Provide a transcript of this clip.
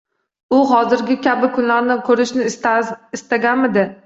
U hozirgi kabi kunlarni ko‘rishni istaganmidi